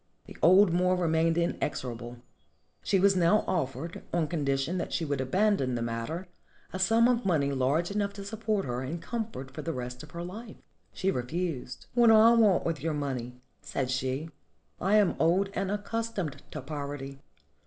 The old Moor remained inexorable. She was now offered, on condition that she would aban don the matter, a sum of money large enough to support her in comfort for the rest of her hfe. She refused. "What do I want with your money?" said she. "I am old and accustomed to poverty.